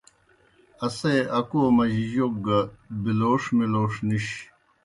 اسے اکو مجی جوک گہ بِلَوݜ مِلَوݜ نِش۔